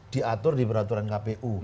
diatur di peraturan kpu